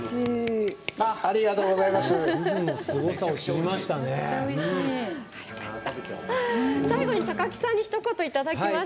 ありがとうございます。